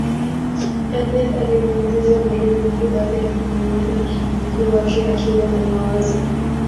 aneth alimuuliza mwalimu mkuu baada ya kumuona mkuu wake akiwa na mawazo